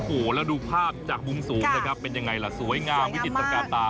โอ้โหแล้วดูภาพจากมุมสูงนะครับเป็นยังไงล่ะสวยงามวิจิตรกาตา